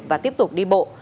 và tiếp tục đi bộ